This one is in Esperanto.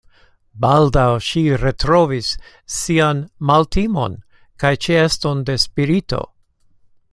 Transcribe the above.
Baldaŭ ŝi retrovis sian maltimon kaj ĉeeston de spirito.